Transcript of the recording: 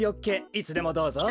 いつでもどうぞ。